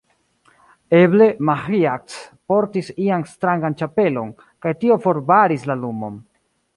Eble, Maĥiac portis ian strangan ĉapelon, kaj tio forbaris la lumon.